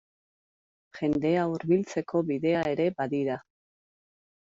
Jendea hurbiltzeko bidea ere badira.